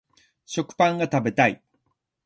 食パンが食べたい